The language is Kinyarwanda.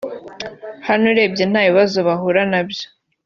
Hano urebye nta bibazo bahura na byo